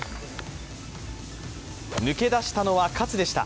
抜け出したのは勝でした。